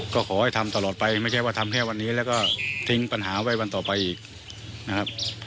ก็ขอให้ทำตลอดไปไม่ใช่ว่าทำแค่วันนี้แล้วก็ทิ้งปัญหาไว้วันต่อไปอีกนะครับ